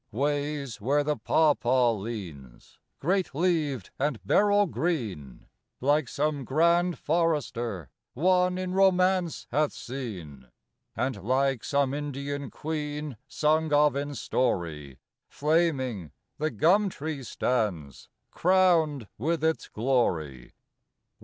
Ways where the papaw leans, great leaved and beryl green, Like some grand forester one in Romance hath seen; And like some Indian queen, sung of in story, Flaming the gum tree stands, crowned with its glory.